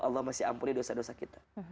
allah masih ampuri dosa dosa kita